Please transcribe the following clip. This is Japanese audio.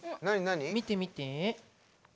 見てみて。